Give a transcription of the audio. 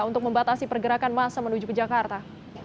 untuk membatasi pergerakan masa menuju ke jakarta